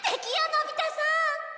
のび太さん！